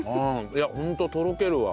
いやホントとろけるわ。